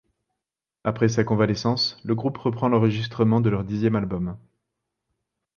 Après sa convalescence, le groupe reprend l'enregistrement de leur dixième album.